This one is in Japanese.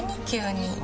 急に。